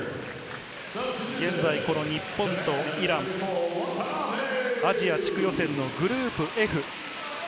日本とイラン、現在、アジア地区予選のグループＦ。